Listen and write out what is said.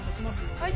はい。